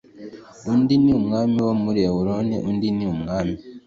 undi ni umwami wo muri Eguloni undi ni umwami